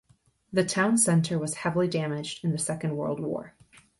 The town center was heavily damaged in the Second World War.